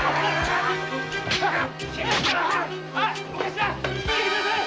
お頭逃げてください！